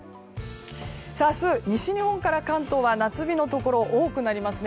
明日、西日本から関東は夏日のところが多くなります。